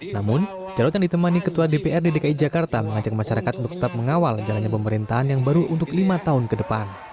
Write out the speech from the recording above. namun jarod yang ditemani ketua dprd dki jakarta mengajak masyarakat untuk tetap mengawal jalannya pemerintahan yang baru untuk lima tahun ke depan